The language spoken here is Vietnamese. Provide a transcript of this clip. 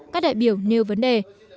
các đại biểu nêu vấn đề